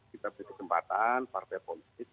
kita beri kesempatan partai politik